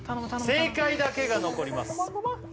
正解だけが残ります